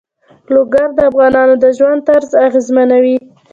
لوگر د افغانانو د ژوند طرز اغېزمنوي.